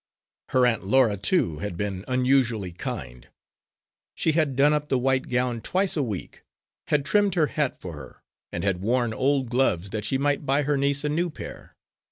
Her Aunt Laura, too, had been unusually kind; she had done up the white gown twice a week, had trimmed her hat for her, and had worn old gloves that she might buy her niece a new pair.